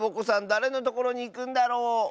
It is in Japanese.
だれのところにいくんだろう？